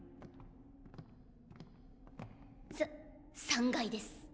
さ３階です。